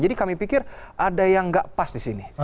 jadi kami pikir ada yang tidak pas di sini